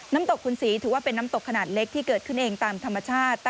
น้ำตกคุณศรีถือว่าเป็นน้ำตกขนาดเล็กที่เกิดขึ้นเองตามธรรมชาติ